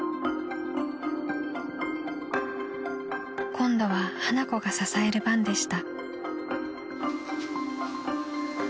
［今度は花子が支える番でした］